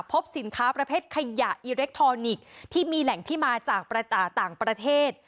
พบสินค้าประเภทขยะอิเล็กทรอนิกส์ที่มีแหล่งที่มาจากต่างประเทศ